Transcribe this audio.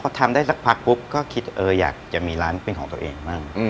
พอทำได้สักพักปุ๊บก็คิดอยากจะมีร้านเป็นของตัวเองบ้าง